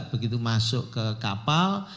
begitu masuk ke kapal